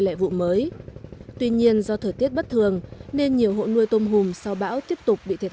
lệ vụ mới tuy nhiên do thời tiết bất thường nên nhiều hộ nuôi tôm hùm sau bão tiếp tục bị thiệt